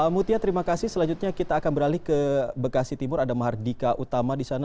mutia terima kasih selanjutnya kita akan beralih ke bekasi timur ada mahardika utama di sana